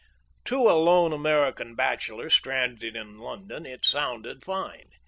To a lone American bachelor stranded in London it sounded fine.